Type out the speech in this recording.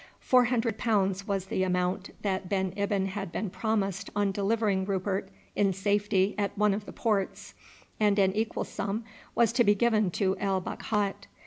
Four hundred pounds was the amount that Ben Ibyn had been promised on delivering Rupert in safety at one of the ports, and an equal sum was to be given to El Bakhat.